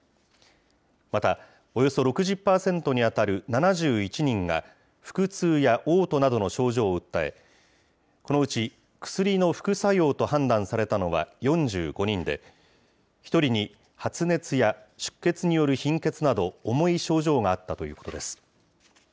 また、およそ６０％に当たる７１人が腹痛やおう吐などの症状を訴え、このうち薬の副作用と判断されたのは、４５人で、１人に発熱や出血による貧血など、重い症状があったということです。